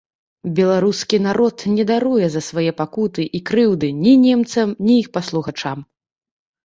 Беларускі народ не даруе за свае пакуты і крыўды ні немцам, ні іх паслугачам.